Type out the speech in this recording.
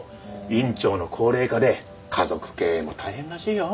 院長の高齢化で家族経営も大変らしいよ。